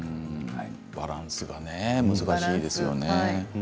バランスが難しいんですよね。